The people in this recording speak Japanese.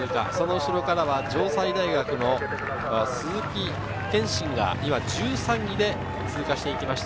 後ろからは城西大学の鈴木健真が１３位で通過していきました。